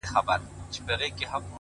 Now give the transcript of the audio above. زما د اوښکي ـ اوښکي ژوند يوه حصه راوړې;